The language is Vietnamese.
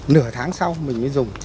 nửa tháng sau mình mới dùng